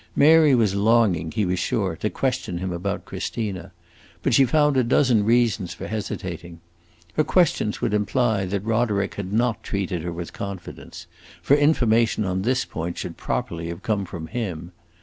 Mary was longing, he was sure, to question him about Christina; but she found a dozen reasons for hesitating. Her questions would imply that Roderick had not treated her with confidence, for information on this point should properly have come from him.